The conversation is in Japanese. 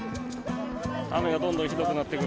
雨がどんどんひどくなってくる。